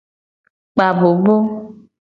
Kpa abobo.